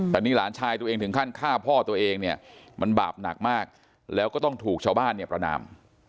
แต่นี่หลานชายตัวเองถึงขั้นฆ่าพ่อตัวเองเนี่ยมันบาปหนักมากแล้วก็ต้องถูกชาวบ้านเนี่ยประนาม